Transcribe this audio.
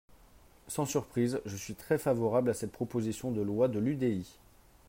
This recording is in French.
Sans surprise, je suis très favorable à cette proposition de loi de l’UDI.